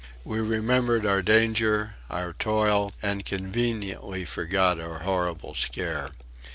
We remembered our danger, our toil and conveniently forgot our horrible scare.